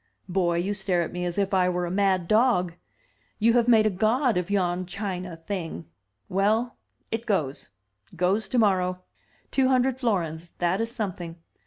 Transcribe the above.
Boy, you stare at me as if I were a mad dog! You have made a god of yon china thing. Well, — it goes: goes tomorrow. Two hundred florins, that is something.